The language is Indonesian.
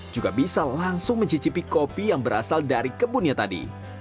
juga bisa langsung mencicipi kopi yang berasal dari kebunnya tadi